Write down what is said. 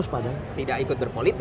tidak ikut berpolitik